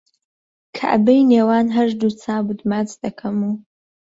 کەعبەی نێوان هەردوو چاوت ماچ دەکەم و